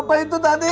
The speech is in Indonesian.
apa itu tadi